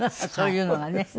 そういうのがね。